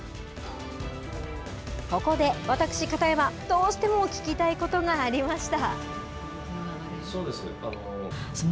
ここで私、片山どうしても聞きたいことがありました。